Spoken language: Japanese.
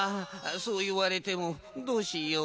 そういわれてもどうしよう。